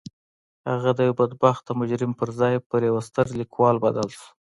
هغه د یوه بدبخته مجرم پر ځای پر یوه ستر لیکوال بدل شو